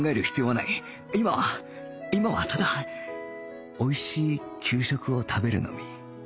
今は今はただおいしい給食を食べるのみ